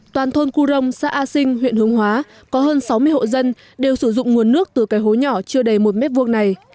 toàn thôn cú rông xã a sinh huyện hướng hóa có hơn sáu mươi hộ dân đều sử dụng nguồn nước từ cái hố nhỏ chưa đầy một mét vuông này